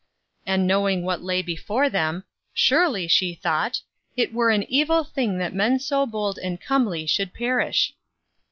And knowing what lay before them, "surely," she thought, "it were an evil thing that men so bold and comely should perish."